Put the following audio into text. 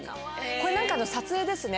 これ何かの撮影ですね